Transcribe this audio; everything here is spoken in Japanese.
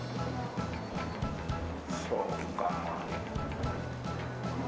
そうか。